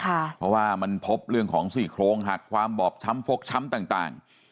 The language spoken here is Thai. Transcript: เพราะว่ามันพบเรื่องของซี่โครงหักความบอบช้ำฟกช้ำต่าง